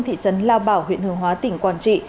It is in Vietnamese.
thị trấn lao bảo huyện hương hóa tỉnh quảng trị